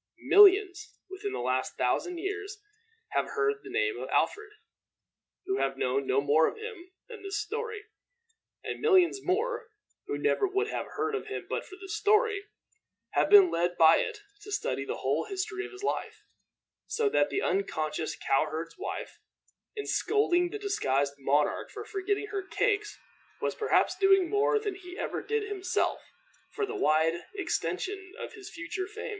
Millions, within the last thousand years, have heard the name of Alfred, who have known no more of him than this story; and millions more, who never would have heard of him but for this story, have been led by it to study the whole history of his life; so that the unconscious cow herd's wife, in scolding the disguised monarch for forgetting her cakes, was perhaps doing more than he ever did himself for the wide extension of his future fame.